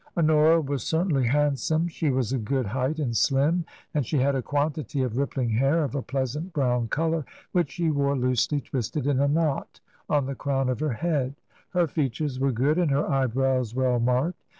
Honora was certainly handsome. She was of good height and slim, and she had a quantity of rippling hair of a pleasant brown colour, which she wore loosely twisted in a knot on the crown of her head ; her features were good and her eyebrows well marked.